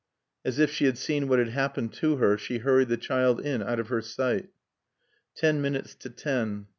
As if she had seen what had happened to her she hurried the child in out of her sight. Ten minutes to ten.